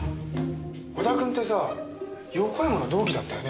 織田君ってさ横山の同期だったよね？